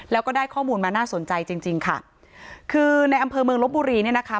แล้วก็ได้ข้อมูลมาน่าสนใจจริงจริงค่ะคือในอำเภอเมืองลบบุรีเนี่ยนะคะ